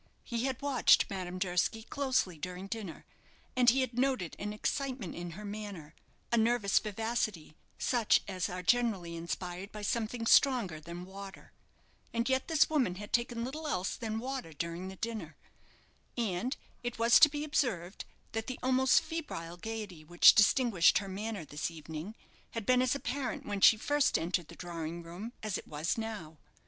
He had watched Madame Durski closely during dinner, and he had noted an excitement in her manner, a nervous vivacity, such as are generally inspired by something stronger than water. And yet this woman had taken little else than water during the dinner. And it was to be observed that the almost febrile gaiety which distinguished her manner this evening had been as apparent when she first entered the drawing room as it was now.